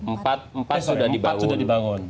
empat sudah dibangun